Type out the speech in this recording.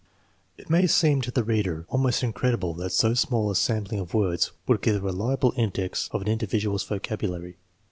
It may seem to the reader almost incredible that so small a sampling of words would give a reliable index of an individual's vocabulary.